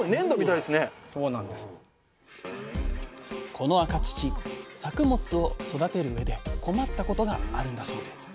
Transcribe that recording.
この赤土作物を育てるうえで困ったことがあるんだそうです。